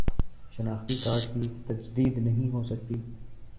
شناختی کارڈ کی تجدید نہیں ہوجاتی